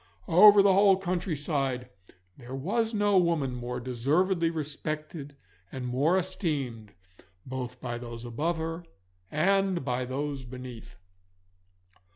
Over the whole countryside there was no woman more deservedly respected and more esteemed both by those above her and by those beneath.